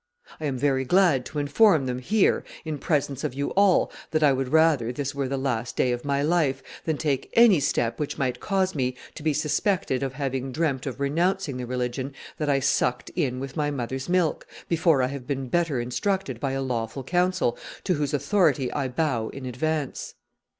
I am very glad to inform them here, in presence of you all, that I would rather this were the last day of my life than take any step which might cause me to be suspected of having dreamt of renouncing the religion that I sucked in with my mother's milk, before I have been better instructed by a lawful council, to whose authority I bow in advance.